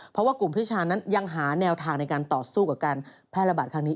เพราะว่ากลุ่มพิชานั้นยังหาแนวทางในการต่อสู้กับการแพร่ระบาดครั้งนี้